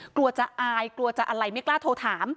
กลัวจะอายกลัวจะอะไรไม่กล้าโทรถาม